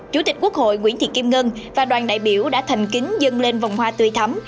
chủ tịch quốc hội nguyễn thị kim ngân và đoàn đại biểu đã thành kính dâng lên vòng hoa tươi thắm